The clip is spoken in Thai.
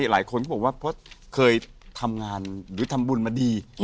หลายคนก็บอกว่าเพราะเคยทำงานหรือทำบุญมาดี